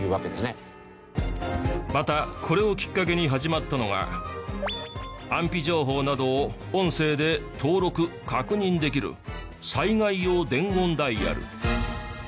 またこれをきっかけに始まったのが安否情報などを音声で登録確認できる災害用伝言ダイヤル。